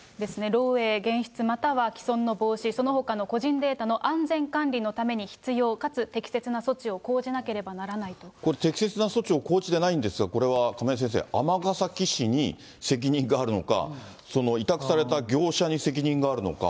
漏えい、減失または棄損の防止、そのほかの個人データの安全管理のために、必要かつ適切な措置をこれ、適切な措置を講じてないんですが、これは亀井先生、尼崎市に責任があるのか、その委託された業者に責任があるのか。